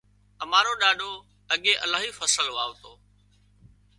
امارو ڏاڏو اڳي الاهي فصل واوتو